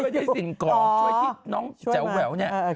ได้สิ่งของช่วยที่น้องแจ๋วแหววเนี่ย